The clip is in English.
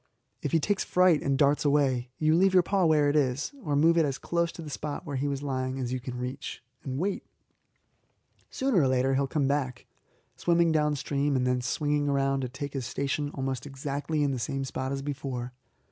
If he takes fright and darts away, you leave your paw where it is, or move it as close to the spot where he was lying as you can reach, and wait. Sooner or later he will come back, swimming downstream and then swinging round to take his station almost exactly in the same spot as before.